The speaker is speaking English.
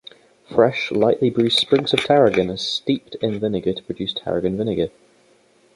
Fresh, lightly bruised sprigs of tarragon are steeped in vinegar to produce tarragon vinegar.